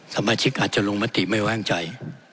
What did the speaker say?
สมาชิกอาจจะลงมติไม่ว่างใจ